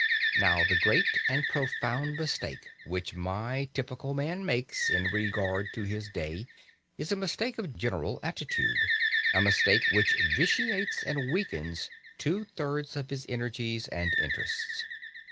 Now the great and profound mistake which my typical man makes in regard to his day is a mistake of general attitude, a mistake which vitiates and weakens two thirds of his energies and interests.